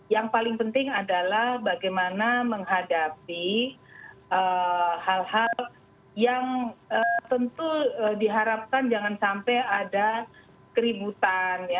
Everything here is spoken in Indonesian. yang paling penting adalah bagaimana menghadapi hal hal yang tentu diharapkan jangan sampai ada keributan